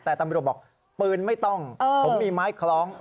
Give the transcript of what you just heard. แต่ตำรวจบอกปืนไม่ต้องผมมีไม้คล้อง